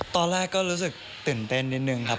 ตอนแรกก็รู้สึกตื่นเต้นนิดนึงครับ